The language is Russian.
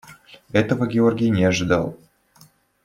Этого Георгий не ожидал.